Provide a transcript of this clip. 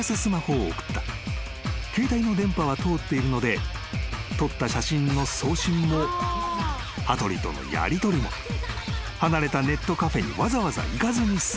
［携帯の電波は通っているので撮った写真の送信も羽鳥とのやりとりも離れたネットカフェにわざわざ行かずに済む］